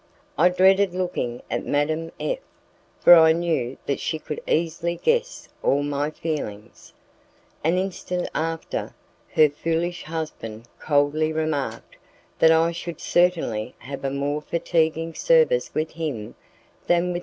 I dreaded looking at Madame F , for I knew that she could easily guess all my feelings. An instant after, her foolish husband coldly remarked that I should certainly have a more fatiguing service with him than with M.